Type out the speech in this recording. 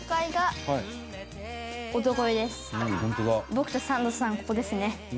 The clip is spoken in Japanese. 「僕とサンドさんはここですね」